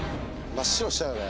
真っ白にしたいよね。